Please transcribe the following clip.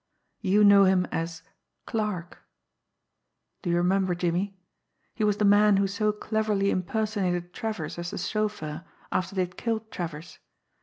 You know him as Clarke. Do you remember, Jimmie? He was the man who so cleverly impersonated Travers as the chauffeur, after they had killed Travers.